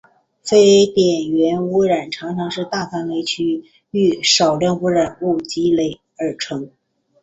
非点源污染常常是大范围区域少量污染物累积而成。